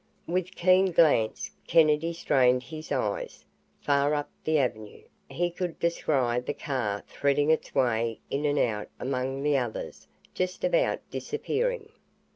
With keen glance, Kennedy strained his eyes. Far up the avenue, he could descry the car threading its way in and out among the others, just about disappearing.